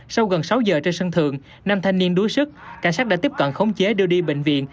sau gần sáu giờ trên sân thượng nam thanh niên đuối sức cảnh sát đã tiếp cận khống chế đưa đi bệnh viện